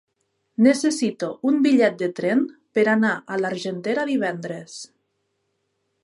Necessito un bitllet de tren per anar a l'Argentera divendres.